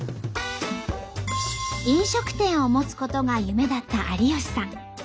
飲食店を持つことが夢だった有吉さん。